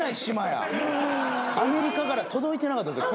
アメリカから届いてなかったんですよ